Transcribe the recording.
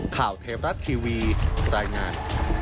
ข่าวเทพรัฐทีวีรายงาน